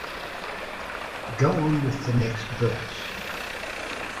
Go on with the next verse.